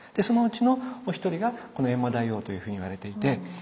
そのうちのお一人がこの閻魔大王というふうにいわれていて。